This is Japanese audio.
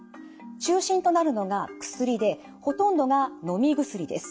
中心となるのが薬でほとんどがのみ薬です。